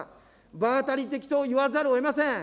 場当たり的と言わざるをえません。